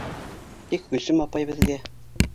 Тик Гөлсөм апай беҙгә: